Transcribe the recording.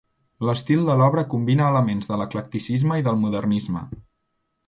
L'estil de l'obra combina elements de l'eclecticisme i del modernisme.